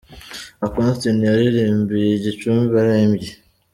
Uncle Austin yaririmbiye i Gicumbi arembye.